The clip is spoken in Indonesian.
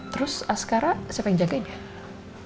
terus askara siapa yang jagainya